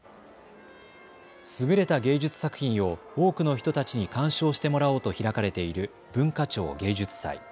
優れた芸術作品を多くの人たちに鑑賞してもらおうと開かれている文化庁芸術祭。